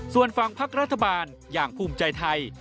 ส่วนฝั่งพักรัฐบาลอย่างภูมิใจไทย